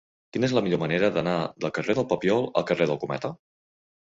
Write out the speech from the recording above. Quina és la millor manera d'anar del carrer del Poliol al carrer del Cometa?